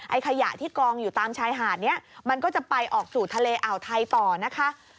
ขยะที่กองอยู่ตามชายหาดนี้มันก็จะไปออกสู่ทะเลอ่าวไทยต่อนะคะ